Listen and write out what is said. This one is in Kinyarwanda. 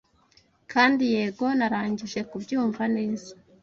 Kandi yego narangije kubyumva neza